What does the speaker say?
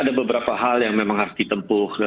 ada beberapa hal yang memang harus ditempuh